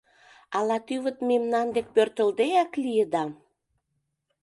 Ала тӱвыт мемнан дек пӧртылдеак лийыда.